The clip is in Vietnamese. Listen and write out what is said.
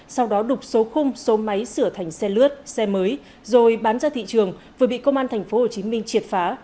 sau đó đục số khung số máy sửa thành xe lướt xe mới rồi bán ra thị trường vừa bị công an tp hcm triệt phá